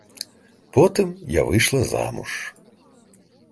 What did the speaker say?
Потым я выйшла замуж.